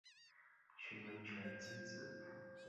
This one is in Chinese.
徐文铨之子。